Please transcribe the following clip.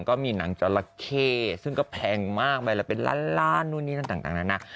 ก็มีหนังจอร้าเข้ซึ่งก็แพงมากเลยแล้วเป็นร้านดูนี้น่ะน้า